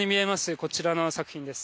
こちらの作品です。